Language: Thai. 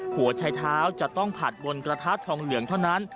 หัวชายเท้าจะต้องผัดบนกระทะทองเหลืองเท่านั้น